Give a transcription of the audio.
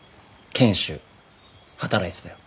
賢秀働いてたよ。